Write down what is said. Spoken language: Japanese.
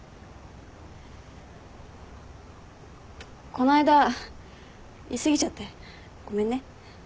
こないだ言い過ぎちゃってごめんね。